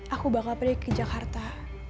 aku bakal pergi ke jakarta